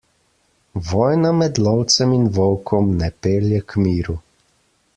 Vojna med lovcem in volkom ne pelje k miru.